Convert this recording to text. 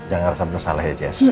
jangan ngerasa bersalah ya jess